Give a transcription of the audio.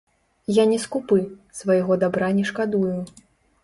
Я не скупы, свайго дабра не шкадую.